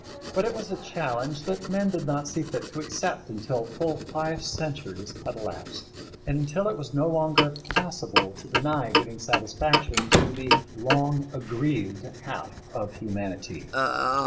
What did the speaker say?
But it was a challenge that men did not see fit to accept until full five centuries had elapsed, and until it was no longer possible to deny giving satisfaction to the long aggrieved half of humanity.